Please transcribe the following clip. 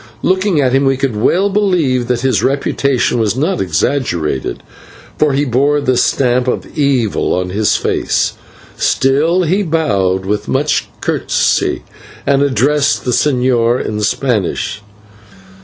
Looking at him we could well believe that his reputation was not exaggerated, for he bore the stamp of evil on his face. Still he bowed with much courtesy and addressed the señor in Spanish.